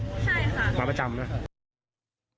ใช่ค่ะมาประจำไหม